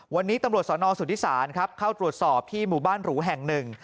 วันนี้ตำรวจสนสุธิศาลครับเข้าตรวจสอบที่หมู่บ้านหรูแห่งหนึ่ง